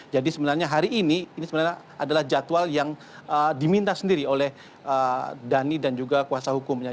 jadi sebenarnya hari ini ini sebenarnya adalah jadwal yang diminta sendiri oleh dhani dan juga kuasa hukumnya